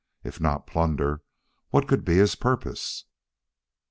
If not plunder, what could be his purpose?